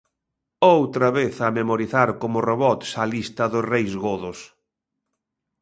Outra vez a memorizar como robots a lista do reis godos.